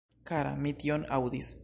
Kara, mi tion aŭdis.